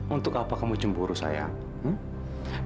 untuk apa kamu cemburu saya